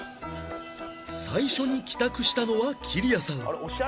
最初に帰宅したのはきりやさん